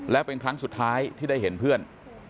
และเป็นครั้งสุดท้ายที่ได้เห็นเพื่อน